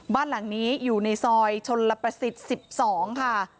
บ้านหลังนี้อยู่ในซอยชนลประสิทธิ์๑๒ค่ะ